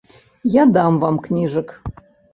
Я дам вам кніжак.